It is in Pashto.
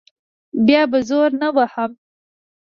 بیا به زور نه وهم.